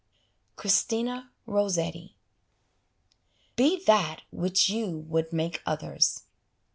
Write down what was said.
Christina Rossetti Be that which you would make others.